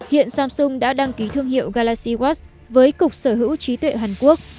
hiện samsung đã đăng ký thương hiệu galaxy wats với cục sở hữu trí tuệ hàn quốc